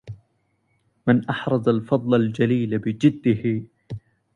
من أحرز الفضل الجليل بجده